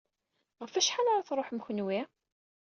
Ɣef wacḥal ara tṛuḥem kenwi?